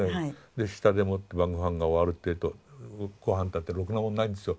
で下でもって晩御飯が終わるっていうと御飯たってろくなもんないんですよ。